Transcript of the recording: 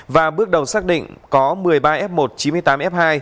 và bước đầu xác định có một mươi ba f một chín mươi tám f hai